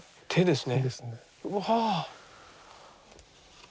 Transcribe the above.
うわ！